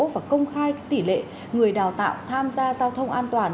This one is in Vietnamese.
và công khai tỷ lệ người đào tạo tham gia giao thông an toàn